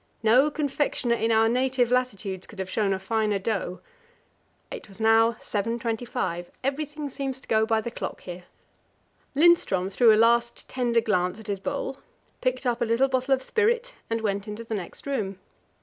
No confectioner in our native latitudes could have shown a finer dough. It was now 7.25; everything seems to go by the clock here. Lindström threw a last tender glance at his bowl, picked up a little bottle of spirit, and went into the next room.